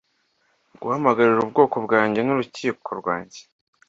Guhamagarira ubwoko bwanjye nurukiko rwanjye